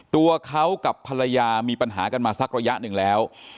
ตัวเขากับภรรยามีปัญหากันมาสักระยะหนึ่งแล้ว